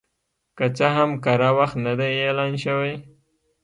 که څه هم کره وخت نه دی اعلان شوی